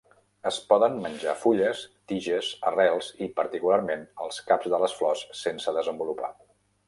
Es poden menjar fulles, tiges, arrels i, particularment, els caps de les flors sense desenvolupar.